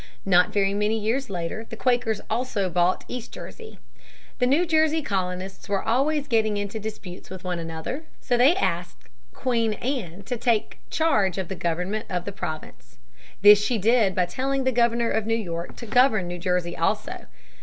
Not very many years later the Quakers also bought East Jersey. The New Jersey colonists were always getting into disputes with one another, so they asked Queen Anne to take charge of the government of the province. This she did by telling the governor of New York to govern New Jersey also.